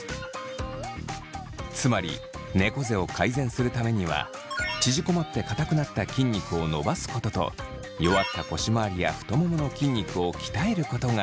つまりねこ背を改善するためには縮こまってかたくなった筋肉を伸ばすことと弱った腰まわりや太ももの筋肉を鍛えることが必要なのです。